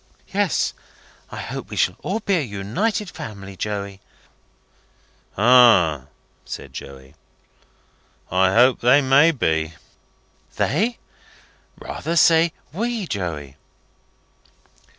"Yes. I hope we shall all be an united family, Joey." "Ah!" said Joey. "I hope they may be." "They? Rather say we, Joey."